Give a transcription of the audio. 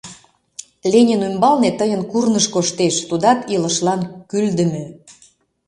Ленин ӱмбалне тыйын курныж коштеш, тудат «илышлан кӱлдымӧ».